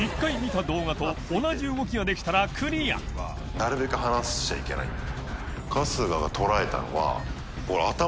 ことは春日）なるべく離しちゃいけないんだ。